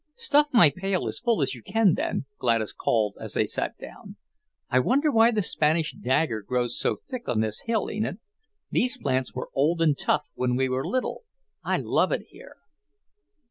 "Stuff my pail as full as you can, then," Gladys called as they sat down. "I wonder why the Spanish dagger grows so thick on this hill, Enid? These plants were old and tough when we were little. I love it here."